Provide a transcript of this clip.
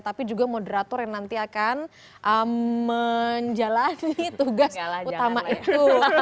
tapi juga moderator yang nanti akan menjalani tugas utama itu